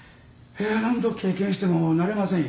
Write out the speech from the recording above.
いや何度経験しても慣れませんよ。